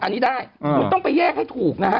คุณต้องไปแยกให้ถูกนะครับ